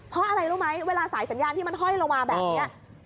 เพราะอะไรรู้ไหมเวลาสายสัญญาณที่มันห้อยลงมาแบบนี้